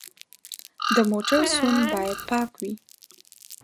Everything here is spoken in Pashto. د موټر سوند باید پاک وي.